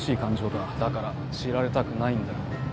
だから知られたくないんだ。